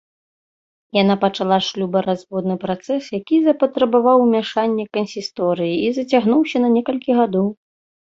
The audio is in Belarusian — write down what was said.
Яна пачала шлюбаразводны працэс, які запатрабаваў ўмяшання кансісторыі і зацягнуўся на некалькі гадоў.